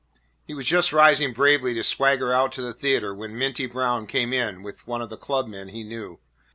He was just rising bravely to swagger out to the theatre when Minty Brown came in with one of the club men he knew.